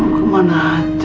bagaimana dengan sadly